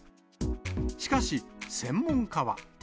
しかし、専門家は。